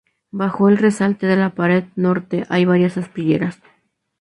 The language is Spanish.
Bajo el resalte de la pared norte hay varias aspilleras.